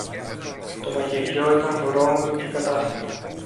Το μαγειριό ήταν βρώμικο και ακατάστατο.